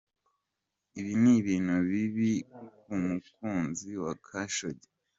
"Ibi ni ibintu bibi ku mukunzi wa Khashoggi.